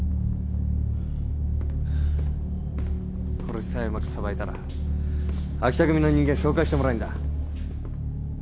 これさえうまくさばいたら秋田組の人間紹介してもらえんだ。